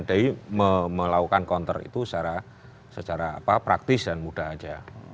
dari melakukan counter itu secara praktis dan mudah saja